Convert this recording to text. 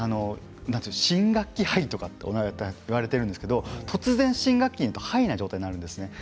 新学期ハイと言われているんですけれど突然新学期になるとハイの状態なんです。